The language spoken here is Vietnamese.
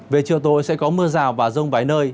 về chiều tối sẽ có mưa rào và rông vài nơi